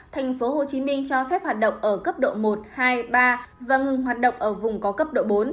tp hcm cho phép hoạt động ở cấp độ một hai ba và ngừng hoạt động ở vùng có cấp độ bốn